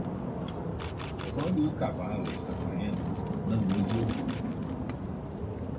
Quando o cavalo está correndo, não use o duro.